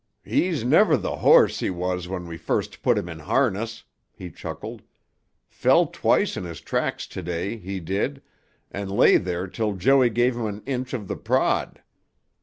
"He's never tuh horse he was when we first put him in harness," he chuckled. "Fell twice in his tracks to day, he did, and lay there till Joey gave him an inch of tuh prod.